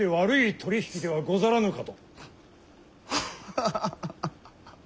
ハハハハハハ！